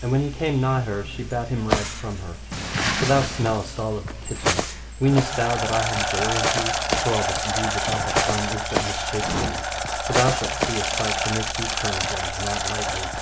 And when he came nigh her she bade him ride from her, For thou smellest all of the kitchen: weenest thou that I have joy of thee, for all this deed that thou hast done is but mishapped thee: but thou shalt see a sight shall make thee turn again, and that lightly.